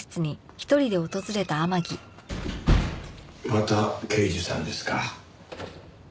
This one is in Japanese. また刑事さんですか。